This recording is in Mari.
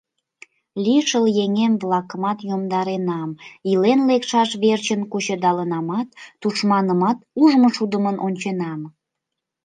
Лишыл еҥем-влакымат йомдаренам, илен лекшаш верчын кучедалынамат, тушманымат ужмышудымын онченам.